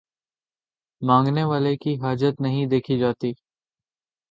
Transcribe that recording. مانگنے والے کی حاجت نہیں دیکھی جاتی